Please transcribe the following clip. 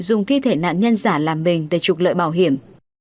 dùng thi thể nạn nhân giả làm mình để trục lợi bảo hiểm